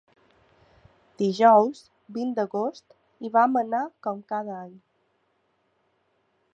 Dijous, vint d’agost, hi vam anar com cada any.